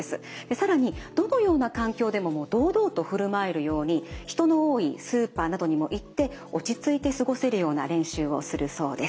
更にどのような環境でも堂々と振る舞えるように人の多いスーパーなどにも行って落ち着いて過ごせるような練習をするそうです。